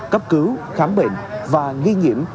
cấp cứu khám bệnh và nghi nhiễm